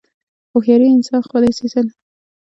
هوښیار انسان خپل احساسات نه پټوي، بلکې سم مدیریت یې کوي.